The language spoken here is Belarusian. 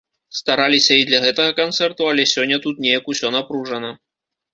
Стараліся і для гэтага канцэрту, але сёння тут неяк усё напружана.